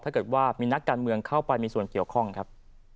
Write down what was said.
ถ้าเกิดว่ามีนักการเมืองเข้าไปมีส่วนเกี่ยวข้องครับ